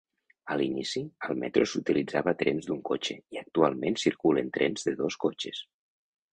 A l'inici, al metro s'utilitzava trens d'un cotxe i actualment circulen trens de dos cotxes.